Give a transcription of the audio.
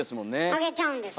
あげちゃうんですよ。